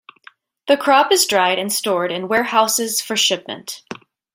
The crop is dried and stored in warehouses for shipment.